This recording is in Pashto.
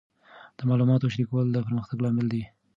د معلوماتو شریکول د پرمختګ لامل دی.